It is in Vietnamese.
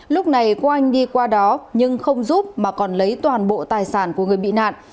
lúc này quốc anh đi qua đó nhưng không giúp mà còn lấy toàn bộ tài sản của người bị nạn